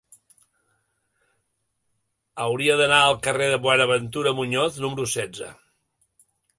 Hauria d'anar al carrer de Buenaventura Muñoz número setze.